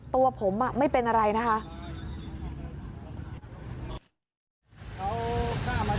ตัวผมไม่เป็นอะไรนะคะ